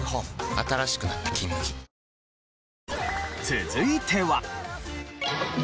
続いては。